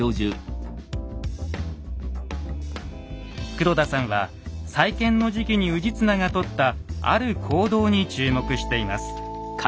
黒田さんは再建の時期に氏綱がとったある行動に注目しています。